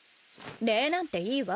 礼なんていいわ。